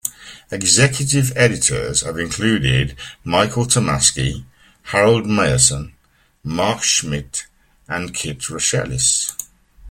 Executive editors have included Michael Tomasky, Harold Meyerson, Mark Schmitt, and Kit Rachlis.